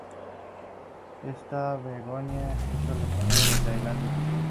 Esta "begonia" es originaria de Tailandia.